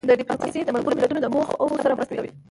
ډیپلوماسي د ملګرو ملتونو د موخو سره مرسته کوي.